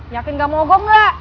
yakin gak mau gue gak